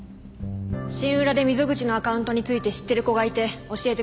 シンウラで溝口のアカウントについて知ってる子がいて教えてくれました。